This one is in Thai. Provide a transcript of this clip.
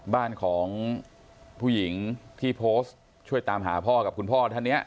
บ้านของผู้หญิงที่โพสต์ช่วยตามหาพ่อกับคุณพ่อท่านนี้